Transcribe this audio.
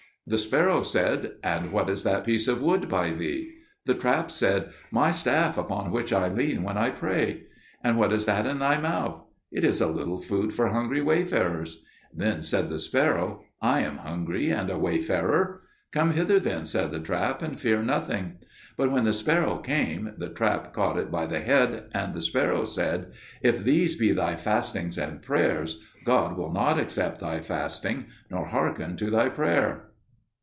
The sparrow said, 'And what is that piece of wood by thee?' The trap said, 'My staff upon which I lean when I pray.' 'And what is that in thy mouth?' 'It is a little food for hungry wayfarers.' Then said the sparrow, 'I am hungry and a wayfarer.' 'Come hither then,' said the trap, 'and fear nothing.' But when the sparrow came, the trap caught it by the head; and the sparrow said, 'If these be thy fastings and prayers, God will not accept thy fasting nor hearken to thy prayer.'"